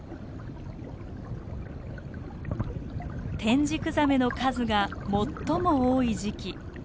テンジクザメの数が最も多い時期。